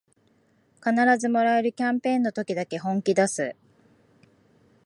必ずもらえるキャンペーンの時だけ本気だす